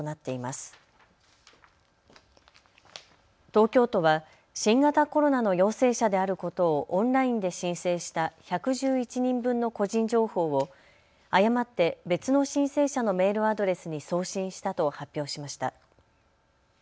東京都は新型コロナの陽性者であることをオンラインで申請した１１１人分の個人情報を誤って別の申請者のメールアドレスに送信したと発表しました。